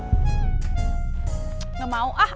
nggak mau ah